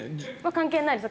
関係ないです。